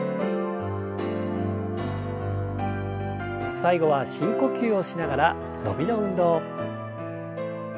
最後は深呼吸をしながら伸びの運動。